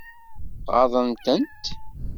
Ɣaḍen-tent?